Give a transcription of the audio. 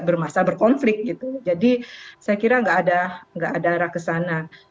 bermasalah berkonflik gitu jadi saya kira nggak ada nggak ada arah ke sana